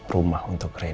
rumah untuk rina